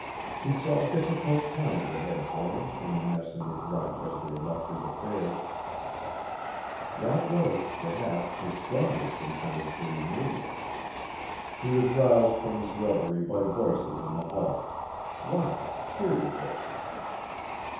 He saw difficult times ahead for him in the mess in which Rochester had left his affairs that was, perhaps, his strongest incentive to remain. He was roused from his reverie by voices in the hall. Loud cheery voices.